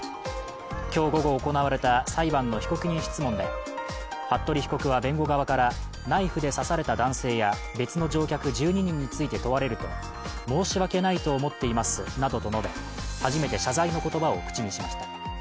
今日午後行われた裁判の被告人質問で服部被告は弁護側からナイフで刺された男性や別の乗客１２人について問われると申し訳ないと思っていますなどと述べ初めて謝罪の言葉と口にしました。